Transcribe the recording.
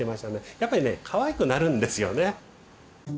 やっぱりねかわいくなるんですよね。